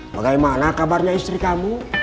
bagaimana kabarnya istri kamu